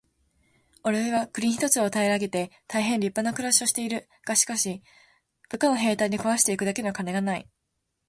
「おれは国一つを平げて大へん立派な暮しをしている。がしかし、部下の兵隊に食わして行くだけの金がない。」